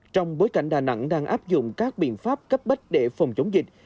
trong bối cảnh đà nẵng đang áp dụng các biện pháp cấp bách để phòng chống dịch